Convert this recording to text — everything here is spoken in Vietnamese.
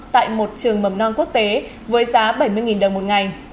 tại một trường mầm non quốc tế với giá bảy mươi đồng một ngày